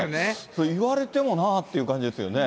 言われてもなっていう感じですよね。